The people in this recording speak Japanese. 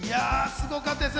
すごかったです。